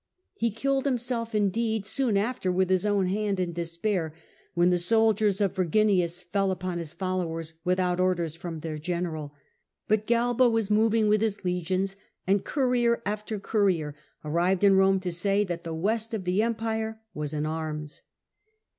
He killed himself, the death o^f indeed, soon after with his owm hand in Vindex. despair, when the soldiers of Verginius fell upon his followers without orders from their general ; but Galba was moving with his legions, and courier after courier arrived in Rome to say that the West of the Empire was in arms.